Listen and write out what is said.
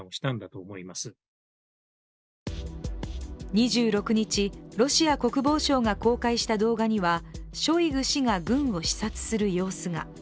２６日、ロシア国防省が公開した動画にはショイグ氏が軍を視察する様子が。